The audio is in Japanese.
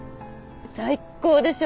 最っ高でしょ？